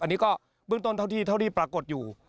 อันนี้ก็เบื้องต้นเท่าที่ปรากฏอยู่